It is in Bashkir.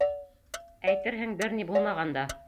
Әйтерһең, бер ни булмаған да.